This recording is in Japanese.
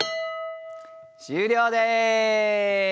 終了です！